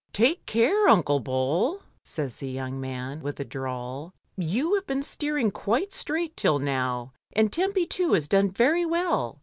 "Take care, Unde Bol," says the young man, with a drawl, "you have been steering quite straight till now, and Tempy too has done very well.